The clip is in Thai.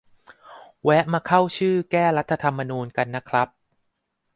แวะมาเข้าชื่อ แก้รัฐธรรมนูญ กันนะครับ